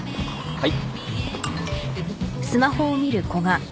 はい。